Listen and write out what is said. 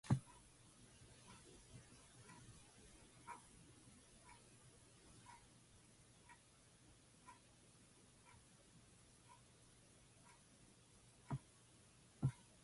He also maintains a flat in London.